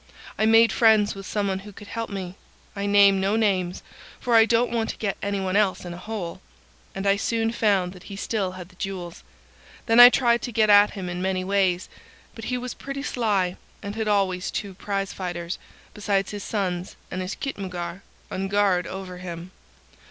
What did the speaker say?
I made friends with someone who could help me,—I name no names, for I don't want to get any one else in a hole,—and I soon found that he still had the jewels. Then I tried to get at him in many ways; but he was pretty sly, and had always two prize fighters, besides his sons and his khitmutgar, on guard over him.